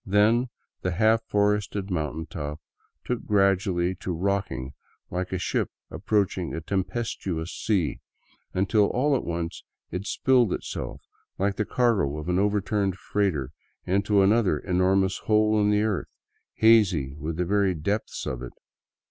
Then the half forested mountaintop took gradually to rocking, like a ship approaching a tempestuous sea, until' all at once it spilled itself, like the cargo of an overturned freighter, into another enormous hole in the earth, hazy with the very depths of it.